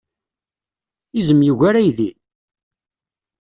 Izem yugar aydi?